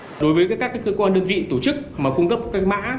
đối với các cơ quan đơn vị tổ chức mà cung cấp các mã